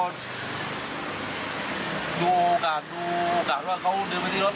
ดูโอกาสว่าเขาเดินไปที่รถ